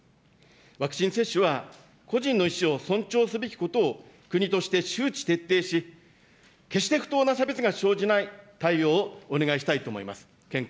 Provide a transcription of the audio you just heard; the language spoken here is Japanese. ワクチン接種は、個人の意思を尊重すべきことを国として周知徹底し、決して不当な差別が生じない対応をお願いしたいと思います。